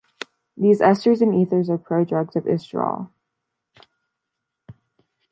These esters and ethers are prodrugs of estriol.